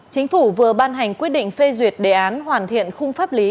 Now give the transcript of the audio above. chính phủ vừa ban hành quyết định phê duyệt đề án hoàn thiện khung pháp lý